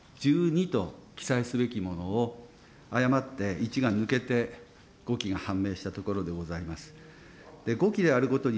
１２と記載すべきものを、誤って１が抜けて、誤記が判明したところでございます。